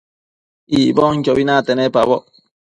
Icbonquiobi nate nepaboc